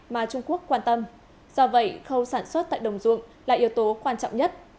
mà trung quốc quan tâm do vậy khâu sản xuất tại đồng ruộng là yếu tố quan trọng nhất